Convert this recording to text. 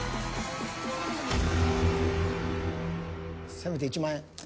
せめて１万円。